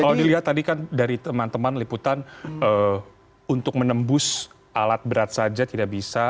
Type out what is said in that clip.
kalau dilihat tadi kan dari teman teman liputan untuk menembus alat berat saja tidak bisa